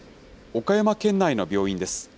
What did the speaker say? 岡山県内の病院です。